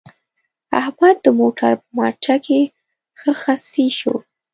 احمد د موټر په مارچه کې ښه خصي شو.